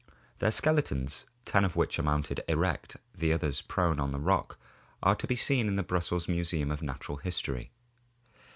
Their skeletons, ten of which are mounted erect, the others prone on the rock, are to be seen in the Brussels Museum of Natural History.